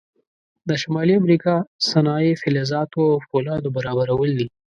د شمالي امریکا صنایع فلزاتو او فولادو برابرول دي.